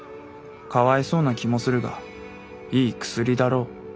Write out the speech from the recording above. かわいそうな気もするがいい薬だろう。